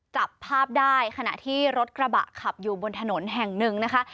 จับภาพได้ขณะที่รถกระบะขับอยู่บนถนนแห่งหนึ่งนะคะ